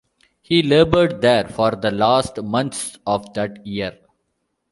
He laboured there for the last months of that year.